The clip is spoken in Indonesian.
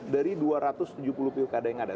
dari dua ratus tujuh puluh pilkada yang ada